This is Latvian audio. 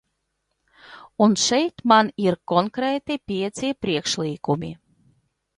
Un šeit man ir konkrēti pieci priekšlikumi.